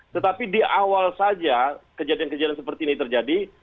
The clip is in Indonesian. tetapi di awal saja kejadian kejadian seperti ini terjadi